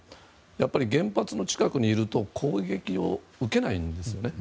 原発の近くにいると攻撃を受けないんですよね。